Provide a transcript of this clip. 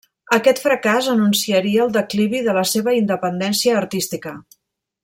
Aquest fracàs anunciaria el declivi de la seva independència artística.